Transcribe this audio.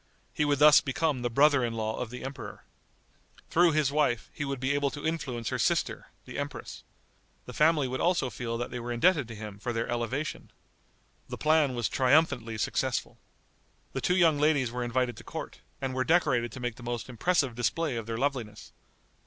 He would thus become the brother in law of the emperor. Through his wife he would be able to influence her sister, the empress. The family would also all feel that they were indebted to him for their elevation. The plan was triumphantly successful. The two young ladies were invited to court, and were decorated to make the most impressive display of their loveliness.